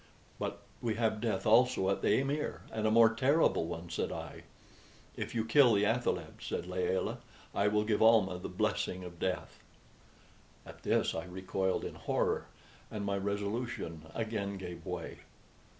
"But we have death also at the amir, and a more terrible one," said I. "If you kill the athalebs," said Layelah, "I will give Almah the blessing of death." At this I recoiled in horror, and my resolution again gave way.